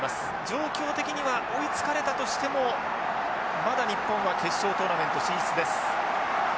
状況的には追いつかれたとしてもまだ日本は決勝トーナメント進出です。